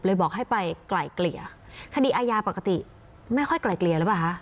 เลยบอกให้ไปกล่ายเกลียคดีอายาปกติไม่ค่อยกล่ายเกลียแล้วเปล่าฮะ